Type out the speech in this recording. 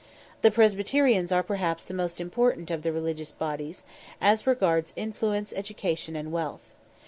The Presbyterians are perhaps the most important of the religious bodies, as regards influence, education, and wealth.